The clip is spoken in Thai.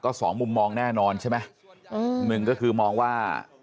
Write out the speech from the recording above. สองมุมมองแน่นอนใช่ไหมอืมหนึ่งก็คือมองว่า